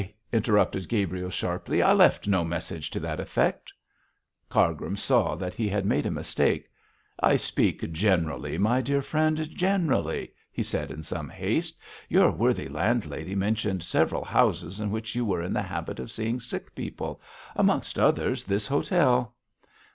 interrupted Gabriel, sharply, 'I left no message to that effect.' Cargrim saw that he had made a mistake. 'I speak generally, my dear friend generally,' he said in some haste. 'Your worthy landlady mentioned several houses in which you were in the habit of seeing sick people amongst others this hotel.'